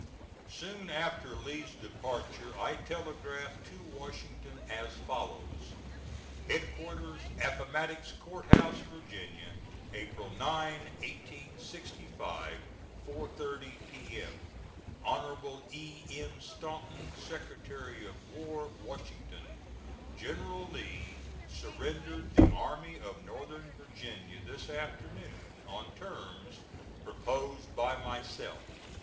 Soon after Lee's departure I telegraphed to Washington as follows: HEADQUARTERS APPOMATTOX C. H., VA., April 9th, 1865, 4.30 P.M. HON. E. M. STANTON, Secretary of War, Washington. General Lee surrendered the Army of Northern Virginia this afternoon on terms proposed by myself.